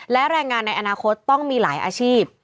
และแรงงานในอนาคตต้องมีหลายอาชีพ